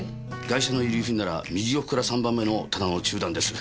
ガイシャの遺留品なら右奥から３番目の棚の中段です。